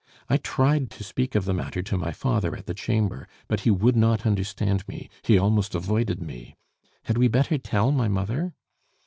I tried to speak of the matter to my father at the Chamber, but he would not understand me; he almost avoided me. Had we better tell my mother?"